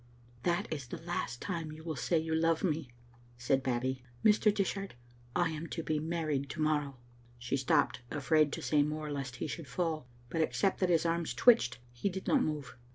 That is the last time you will say you love me," said Babbie. " Mr. Dishart, I am to be married to morrow." She stopped, afraid to say more lest he should fall, but except that his arms twitched he did not move.